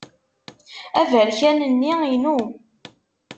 Aberkan-nni inu.